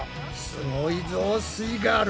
すごいぞすイガール！